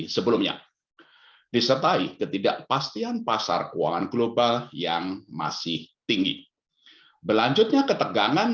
sebelumnya disertai ketidakpastian pasar keuangan global yang masih tinggi berlanjutnya ketegangan